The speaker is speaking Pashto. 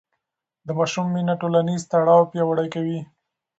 د ماشوم مینه ټولنیز تړاو پیاوړی کوي.